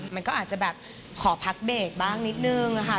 มันก็อาจจะแบบขอพักเบรกบ้างนิดนึงค่ะ